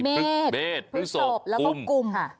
มีเมธพฤศกแล้วก็กุม